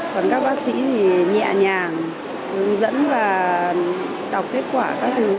còn các bác sĩ thì nhẹ nhàng hướng dẫn và đọc kết quả các thứ